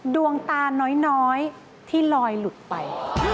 ดวงตาน้อยที่ลอยหลุดไป